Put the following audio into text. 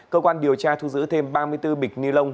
cơ quan điều tra thu giữ thêm ba mươi bốn bịch ni lông